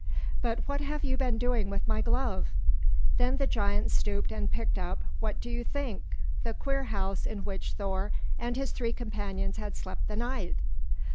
But what have you been doing with my glove?" Then the giant stooped and picked up what do you think? the queer house in which Thor and his three companions had spent the night!